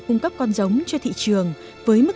cung cấp con giống cho thị trường với mức